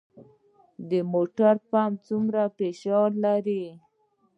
د موټر پمپ څومره فشار لري؟